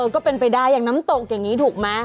ก็เป็นไปได้อย่างน้ำตกอย่างนี้ถูกไหม